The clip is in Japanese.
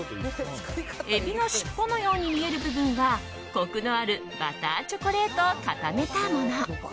エビのしっぽのように見える部分はコクのあるバターチョコレートを固めたもの。